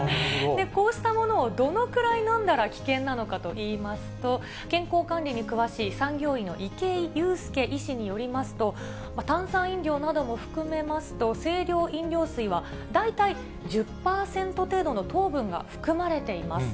こうしたものをどのくらい飲んだら危険なのかといいますと、健康管理に詳しい産業医の池井佑丞医師によりますと、炭酸飲料なども含めますと、清涼飲料水は、大体１０％程度の糖分が含まれています。